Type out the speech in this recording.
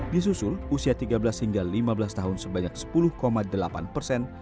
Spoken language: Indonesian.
disusul usia tiga belas hingga lima belas tahun sebanyak sepuluh delapan persen